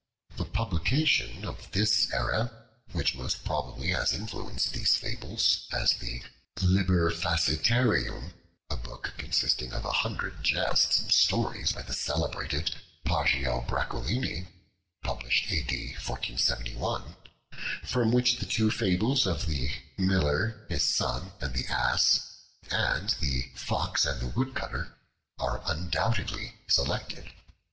The publication of this era which most probably has influenced these fables, is the "Liber Facetiarum," a book consisting of a hundred jests and stories, by the celebrated Poggio Bracciolini, published A.D. 1471, from which the two fables of the "Miller, his Son, and the Ass," and the "Fox and the Woodcutter," are undoubtedly selected.